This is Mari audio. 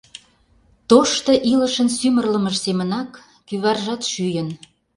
Тошто илышын сӱмырлымыж семынак, кӱваржат шӱйын.